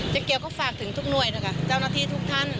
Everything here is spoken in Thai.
เกียวก็ฝากถึงทุกหน่วยนะคะเจ้าหน้าที่ทุกท่าน